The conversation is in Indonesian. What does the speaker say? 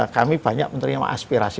kami banyak menerima aspirasi